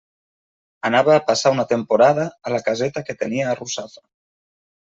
Anava a passar una temporada a la caseta que tenia a Russafa.